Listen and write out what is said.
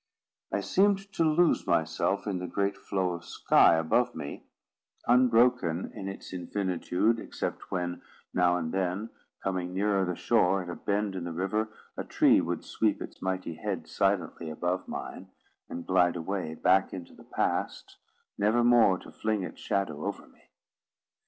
I seemed to lose myself in the great flow of sky above me unbroken in its infinitude, except when now and then, coming nearer the shore at a bend in the river, a tree would sweep its mighty head silently above mine, and glide away back into the past, never more to fling its shadow over me.